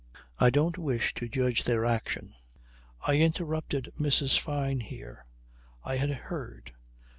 I don't wish to judge their action." I interrupted Mrs. Fyne here. I had heard.